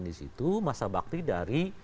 di situ masa bakti dari